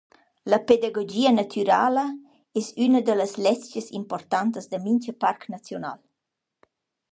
La pedagogia natürala es üna da las lezchas importantas da mincha parc naziunal.